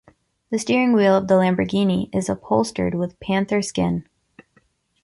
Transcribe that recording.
The steering wheel of the Lamborghini is upholstered with panther skin.